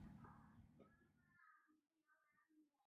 维维尔。